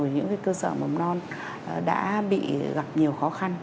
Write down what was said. và các cơ sở mầm non đã bị gặp nhiều khó khăn